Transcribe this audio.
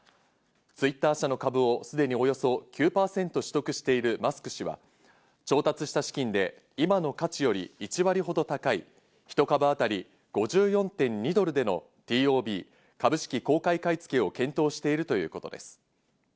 Ｔｗｉｔｔｅｒ社の株をすでにおよそ９％取得しているマスク氏は、調達した資金で今の価値より１割ほど高い１株あたり５４．２ドルでのＴＯＢ＝株式公開買い付けを検討しているということです。